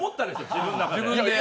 自分の中で。